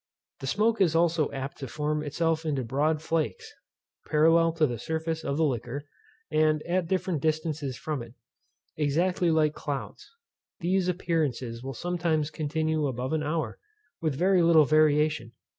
The smoke is also apt to form itself into broad flakes, parallel to the surface of the liquor, and at different distances from it, exactly like clouds. These appearances will sometimes continue above an hour, with very little variation.